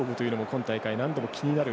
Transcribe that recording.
今大会、何度も気にある